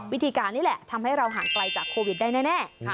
วิธีการนี้แหละทำให้เราห่างไกลจากโควิดได้แน่